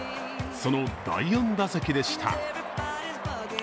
その第４打席でした。